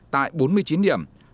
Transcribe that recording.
tại bốn mươi chín điểm